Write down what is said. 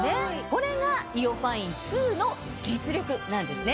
これがＩＯファイン２の実力なんですね。